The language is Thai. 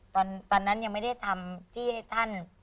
ตอนนั้นยังไม่ได้ทำที่ให้ท่าน